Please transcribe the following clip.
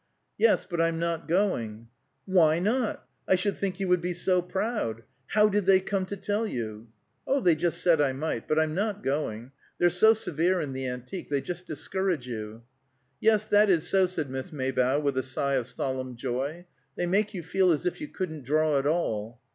"Yes; but I'm not going." "Why not? I should think you would be so proud. How did they come to tell you?" "Oh, they just said I might. But I'm not going. They're so severe in the Antique. They just discourage you." "Yes, that is so," said Miss Maybough, with a sigh of solemn joy. "They make you feel as if you couldn't draw at all."